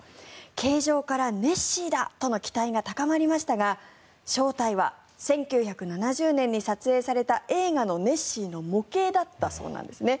形状からネッシーだとの期待が高まりましたが正体は１９７０年に撮影された映画のネッシーの模型だったそうなんですね。